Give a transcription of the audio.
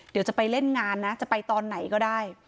เดี๋ยวจะไปเล่นงานนะจะไปตอนไหนก็ได้